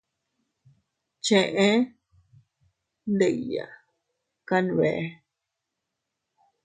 Cheʼe ndikya kanbee.